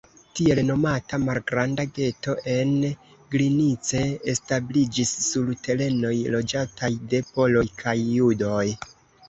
Tiel nomata malgranda geto en Glinice establiĝis sur terenoj loĝataj de poloj kaj judoj.